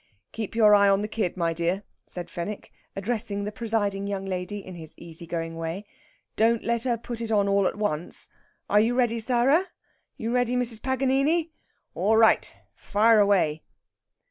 "Keep your eye on the kid, my dear," said Fenwick, addressing the presiding young lady in his easy going way; "don't let her put it on all at once. Are you ready, Sarah? You ready, Mrs. Paganini? All right fire away!"